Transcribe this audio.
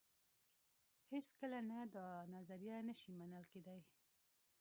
هېڅکله نه دا نظریه نه شي منل کېدای.